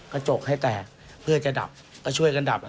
กระจกให้แตกเพื่อจะดับก็ช่วยกันดับอ่ะ